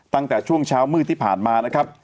ตั้งแต่ช่วงเช้ามืดที่ผ่านมา